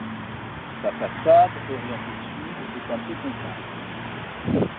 Sa façade, orientée sud, est un peu concave.